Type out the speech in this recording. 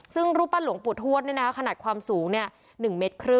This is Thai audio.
ซึ่งรูปปั้นหลวงปุดหวดเนี่ยนะคะขนาดความสูงเนี่ย๑๕เมตร